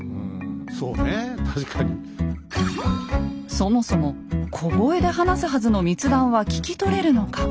そもそも小声で話すはずの密談は聞き取れるのか？